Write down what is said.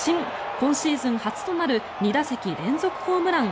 今シーズン初となる２打席連続ホームラン。